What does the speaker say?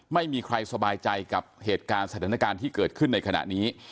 ไม่มีใครสบายใจกับเหตุการณ์สถานการณ์ที่เกิดขึ้นในขณะนี้